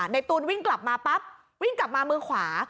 ตูนวิ่งกลับมาปั๊บวิ่งกลับมามือขวา